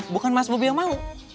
bukan mas bobi yang mau